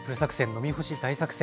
「飲みほし大作戦！」